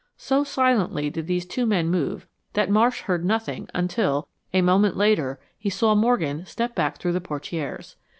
So silently did these two men move that Marsh heard, nothing until, a moment later, he saw Morgan step back through the portieres.